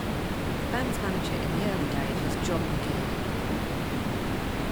The band's manager in the early days was John MacGee.